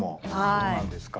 そうなんですか？